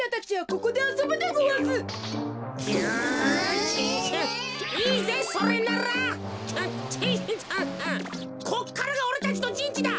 こっからがおれたちのじんちだ。